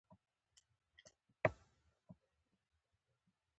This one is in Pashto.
چې د طب او ستوماتولوژي د ډاکټرانو او همدارنګه د روغتيايي